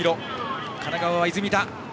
神奈川は出水田。